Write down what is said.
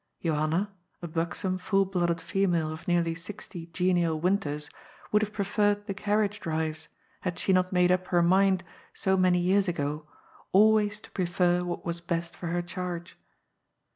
Johanna, a buxom, full blooded female of nearly sixty genial winters, would have preferred the carriage drives, had she not made up her mind so many years ago always to prefer what was best for her charge.